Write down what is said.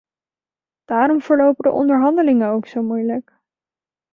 Daarom verlopen de onderhandelingen ook zo moeilijk.